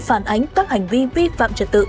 phản ánh các hành vi vi phạm trật tự